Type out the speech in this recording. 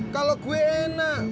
kalau gue enak